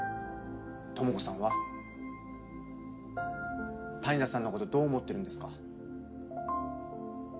ともこさんは谷田さんのことどう思ってるんですか？